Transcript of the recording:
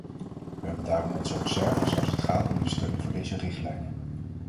We hebben daarom onze reserves als het gaat om de steun voor deze richtlijnen.